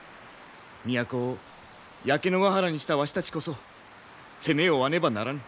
都を焼け野が原にしたわしたちこそ責めを負わねばならぬ。